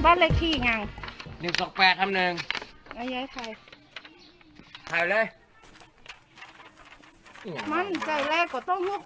เบาเล็กที่อย่าง๑๒๘ทั้งนึงใครฮะชอบแล้ว